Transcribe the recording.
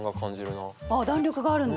あ弾力があるんだ。